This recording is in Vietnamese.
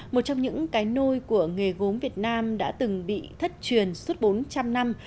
một trong những cái nôi của nghề gốm việt nam đã từng bị thất truyền suốt bốn trăm linh năm